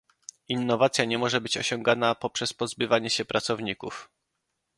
Innowacja nie może być osiągana poprzez pozbywanie się pracowników